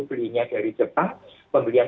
belinya dari jepang pembelian